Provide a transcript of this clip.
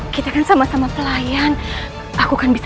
kita kan sama sama pelayan